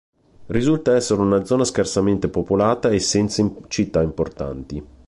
Risulta essere una zona scarsamente popolata e senza città importanti.